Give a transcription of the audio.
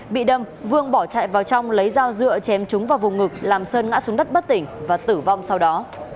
bị đâm vương bỏ chạy vào trong lấy dao dựa chém trúng vào vùng ngực làm sơn ngã xuống đất bất tỉnh và tử vong sau đó